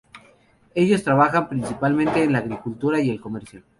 Ellos trabajan principalmente en la agricultura y el comercio.